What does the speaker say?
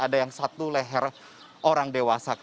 ada yang satu leher orang dewasa